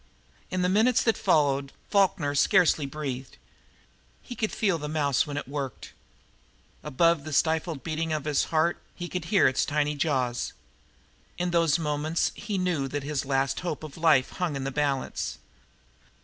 In the minutes that followed Falkner scarcely breathed. He could feel the mouse when it worked. Above the stifled beating of his heart he could hear its tiny jaws. In those moments he knew that his last hope of life hung in the balance.